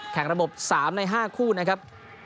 แข่งระบบ๓ใน๕คู่นะครับ